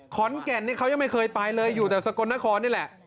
ขอนแก่นนี่เขายังไม่เคยไปเลยอยู่แต่สกลนครนี่แหละ